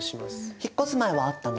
引っ越す前はあったの？